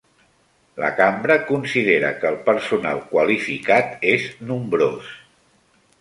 La Cambra considera que el personal qualificat és nombrós